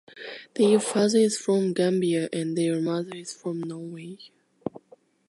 Their father is from Gambia and their mother is from Norway.